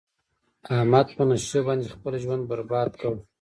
احمد په نشو باندې خپل ژوند برباد کړ.